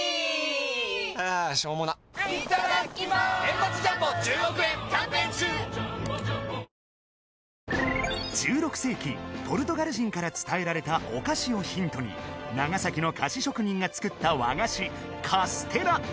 このあと更に１６世紀ポルトガル人から伝えられたお菓子をヒントに長崎の菓子職人が作った和菓子カステラ